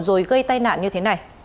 rồi gây tai nạn như thế này